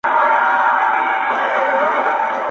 دا دښمن وي د عزت بلا د ځان وي٫